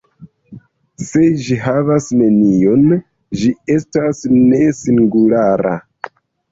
Se ĝi havas neniun, ĝi estas "ne-singulara".